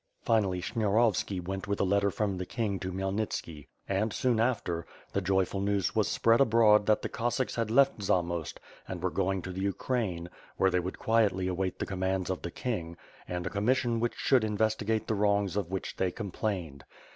Finally, Sniarovski went with a letter from the king to Khmyelnitski; and, soon after, the joyful news was spread abroad that the Cossacks had left Zamost and were going to the Ukraine, where they would quietly await the commands of the king, and a commission which should investigate the wrongs of which they complained.